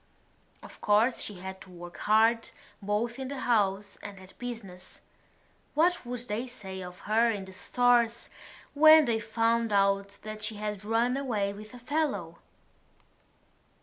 Of course she had to work hard, both in the house and at business. What would they say of her in the Stores when they found out that she had run away with a fellow?